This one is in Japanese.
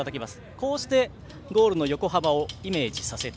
こうしてゴールの横幅をイメージさせて。